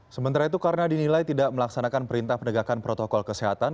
sementara itu karena dinilai tidak melaksanakan perintah penegakan protokol kesehatan